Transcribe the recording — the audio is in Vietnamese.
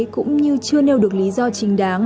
cũng như chưa nêu được lý do chính đáng